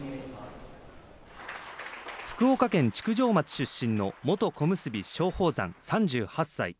福岡県築上町出身の元小結・松鳳山、３８歳。